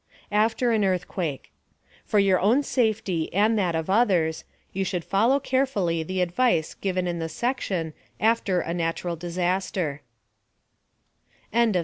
AFTER AN EARTHQUAKE For your own safety and that of others, you should follow carefully the advice given in the section, "After a Natural Disaster" (page 73).